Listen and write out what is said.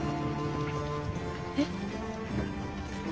えっ。